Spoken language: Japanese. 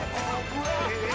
えっ！